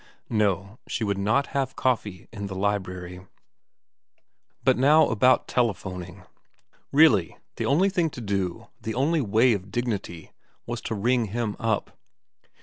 No, she would not have coffee in the library. VERA 303 But now about telephoning. Really the only thing to do, the only way of dignity, was to ring him up.